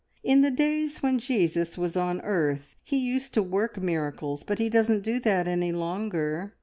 In the days when Jesus was on earth He used to work miracles, but He doesn't do that any longer.